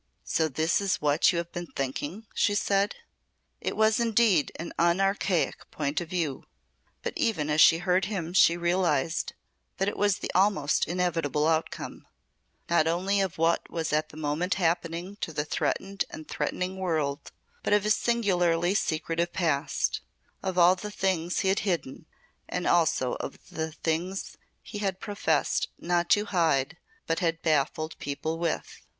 "So this is what you have been thinking?" she said. It was indeed an unarchaic point of view. But even as she heard him she realised that it was the almost inevitable outcome not only of what was at the moment happening to the threatened and threatening world, but of his singularly secretive past of all the things he had hidden and also of all the things he had professed not to hide but had baffled people with.